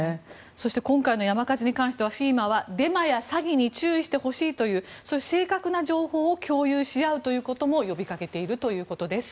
そして今回の山火事に関してはＦＥＭＡはデマや詐欺に注意してほしいという正確な情報を共有しあうということも呼び掛けているということです。